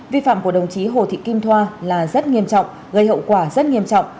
vi phạm của đồng chí hồ thị kim thoa là rất nghiêm trọng gây hậu quả rất nghiêm trọng